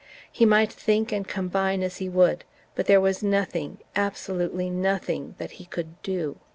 He might think and combine as he would; but there was nothing, absolutely nothing, that he could do...